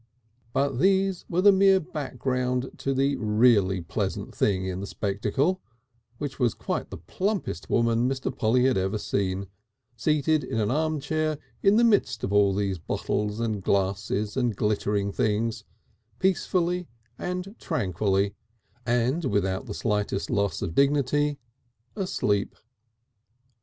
But these were the mere background to the really pleasant thing in the spectacle, which was quite the plumpest woman Mr. Polly had ever seen, seated in an armchair in the midst of all these bottles and glasses and glittering things, peacefully and tranquilly, and without the slightest loss of dignity, asleep.